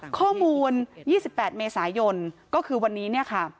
ข้อมูล๒๘เมษายนก็คือวันนี้เนี่ยค่ะ